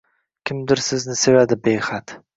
– Kimdir sizni sevadi behad! –